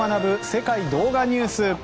世界動画ニュース」。